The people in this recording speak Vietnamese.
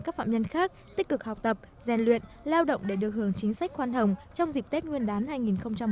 các phạm nhân được đề xuất lên hội đồng xét duyệt thành phố để xem xét giảm án